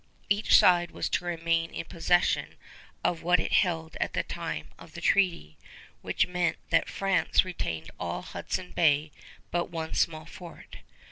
Each side was to remain in possession of what it held at the time of the treaty, which meant that France retained all Hudson Bay but one small fort.